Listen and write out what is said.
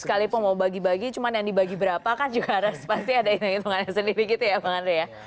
sekalipun mau bagi bagi cuman yang dibagi berapa kan juga harus pasti ada hitung hitungannya sendiri gitu ya bang andre ya